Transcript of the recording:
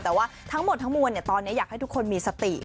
แต่ว่าทั้งหมดทั้งมวลตอนนี้อยากให้ทุกคนมีสติ